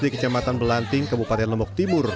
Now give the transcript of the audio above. di kecamatan belanting kabupaten lombok timur